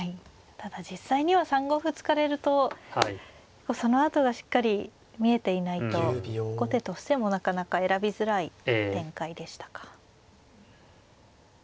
ただ実際には３五歩突かれるとそのあとがしっかり見えていないと後手としてもなかなか選びづらい展開でしたか。